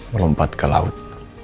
melompat ke laut